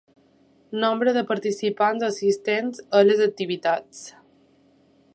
Nombre de participants o assistents a les activitats.